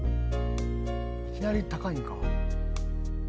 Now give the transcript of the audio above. いきなり高いんか。